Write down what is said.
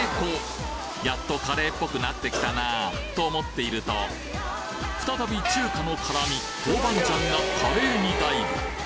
やっとカレーっぽくなってきたなと思っていると再び中華の辛味豆板醤がカレーにダイブ！